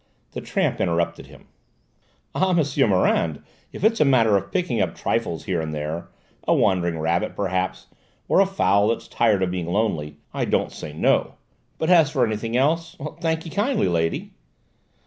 The tramp interrupted him. "Ah, M'sieu Morand, if it's a matter of picking up trifles here and there, a wandering rabbit, perhaps, or a fowl that's tired of being lonely, I don't say no; but as for anything else thank'ee kindly, lady."